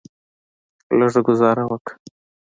لږه ګوزاره وکه.